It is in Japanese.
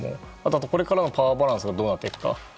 これからのパワーバランスがどうなっていくか。